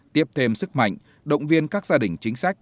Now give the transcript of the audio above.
tiếp thêm sức mạnh động viên các gia đình chính sách